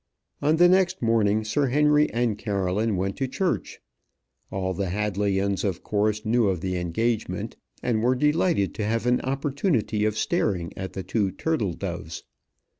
On the next morning Sir Henry and Caroline went to church. All the Hadleyians of course knew of the engagement, and were delighted to have an opportunity of staring at the two turtle doves.